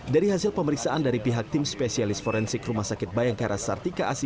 dari hasil pemeriksaan dari pihak tim spesialis forensik rumah sakit bayangkara sartika asi